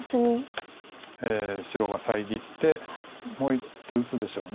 白が遮ってもう１手打つでしょう。